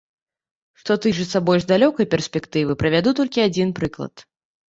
Што тычыцца больш далёкай перспектывы, прывяду толькі адзін прыклад.